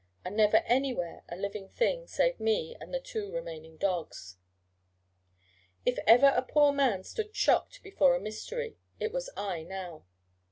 And never anywhere a living thing, save me, and the two remaining dogs. If ever a poor man stood shocked before a mystery, it was I now.